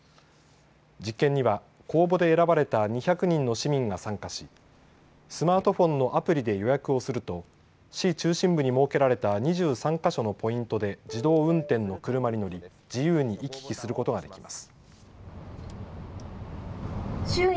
実験には公募で選ばれた２００人の市民が参加しスマートフォンのアプリで予約をすると市中心部に設けられた２３か所のポイントで自動運転の車に乗り自由に行き来することができます。